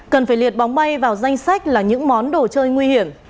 cần phải liệt bóng bay vào danh sách là những món đồ chơi nguy hiểm